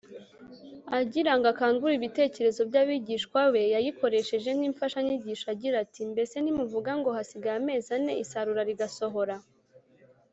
. Agira ngo akangure ibitekerezo by’abigishwa be, yayikoresheje nk’imfashanyigisho agira ati: “Mbese ntimuvuga ngo ‘hasigaye amezi ane isarura rigasohora?